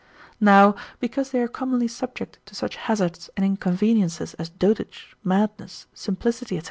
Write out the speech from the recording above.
Now because they are commonly subject to such hazards and inconveniences as dotage, madness, simplicity, &c.